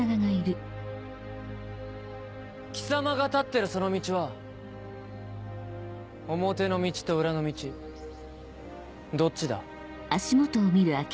貴様が立ってるその道は表の道と裏の道どっちだ？